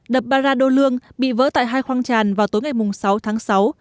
đập baradolương bị vỡ tại hai khoang tràn vào tối ngày sáu tháng sáu